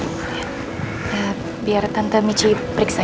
ya biar tante michi periksa ya